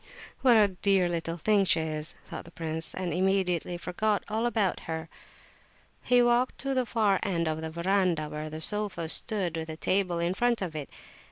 "What a dear little thing she is," thought the prince, and immediately forgot all about her. He walked to the far end of the verandah, where the sofa stood, with a table in front of it.